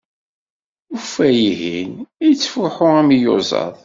Ufay ihin ittefuḥu am iyuzaḍ.